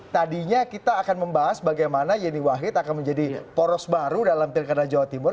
tadinya kita akan membahas bagaimana yeni wahid akan menjadi poros baru dalam pilkada jawa timur